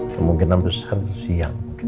kemungkinan besar siang